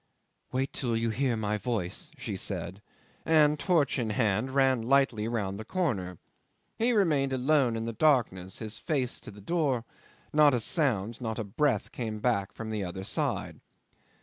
"Wait till you hear my voice," she said, and, torch in hand, ran lightly round the corner. He remained alone in the darkness, his face to the door: not a sound, not a breath came from the other side.